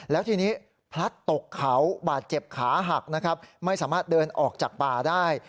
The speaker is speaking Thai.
แล้วทีนี้พลัดตกเขาบาดเจ็บขาหักนะครับไม่สามารถเดินออกจากป่าได้